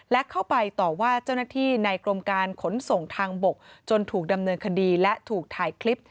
และเข้าไปต่อว่าเจ้าหน้าที่ในกรมการขนส่งทางบกจนถูกดำเนินคดีและถูกถ่ายคลิป